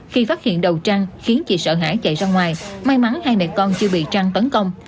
khi phát hiện đầu trang khiến chị sợ hãi chạy ra ngoài may mắn hai mẹ con chưa bị trăng tấn công